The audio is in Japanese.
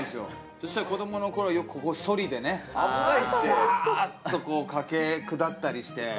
そしたら子どもの頃はよくここをソリでねサアーッとこう駆け下ったりして。